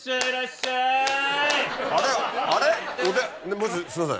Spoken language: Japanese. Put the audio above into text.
まずすいません。